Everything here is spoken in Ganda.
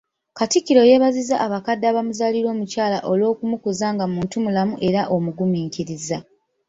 Kattikiro yeebazizza abakadde abamuzaalira omukyala olw’okumukuza nga muntu mulamu era omugumiikiriza.